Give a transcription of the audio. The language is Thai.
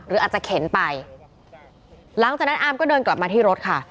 หรืออาจจะเข็นไปหลังจากนั้นอาร์มก็เดินกลับมาที่รถค่ะ